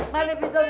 gak ada lagi